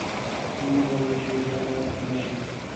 موږ نه غواړو چې ژبه مو مړه شي.